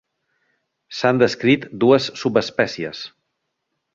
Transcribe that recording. S'han descrit dues subespècies.